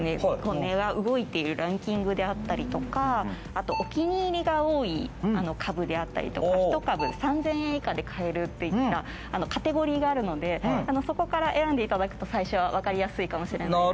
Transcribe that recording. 値が動いているランキングであったりとかあとお気に入りが多い株であったりとか１株３，０００円以下で買えるといったカテゴリーがあるのでそこから選んでいただくと最初はわかりやすいかもしれないです。